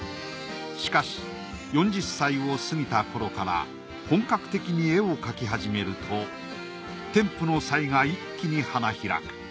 しかし４０歳を過ぎた頃から本格的に絵を描き始めると天賦の才が一気に花開く。